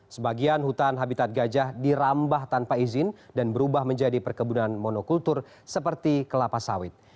sebagian hutan habitat gajah dirambah tanpa izin dan berubah menjadi perkebunan monokultur seperti kelapa sawit